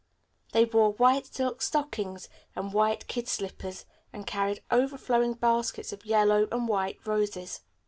They wore white silk stockings and white kid slippers and carried overflowing baskets of yellow and white roses.